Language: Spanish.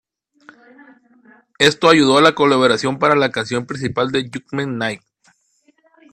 Esto ayudó a la colaboración para la canción principal de Judgement Night.